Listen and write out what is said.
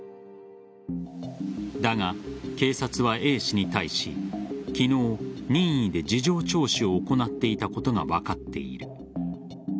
だが、警察はＡ氏に対し昨日、任意で事情聴取を行っていたことが分かっている。